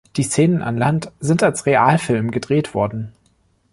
Die Szenen an Land sind als Realfilm gedreht worden.